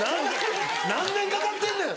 何年かかってんねん！